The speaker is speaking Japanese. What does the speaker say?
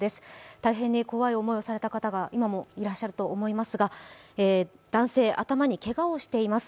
大変怖い思いをされた方が今もいらっしゃると思いますが男性、頭にけがをしています。